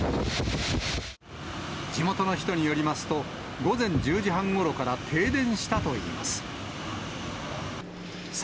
地元の人によりますと、午前１０時半ごろから停電したといいます。